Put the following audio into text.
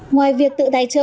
ngoài việc tự tài trợ